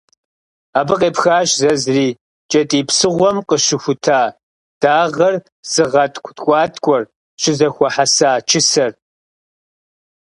Абы къепхащ зэзри - кӏэтӏий псыгъуэм къыщыхута дагъэр зыгъэткӏу ткӏуаткӏуэр щызэхуэхьэса «чысэр».